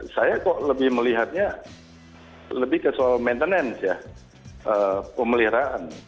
saya kok lebih melihatnya lebih ke soal maintenance ya pemeliharaan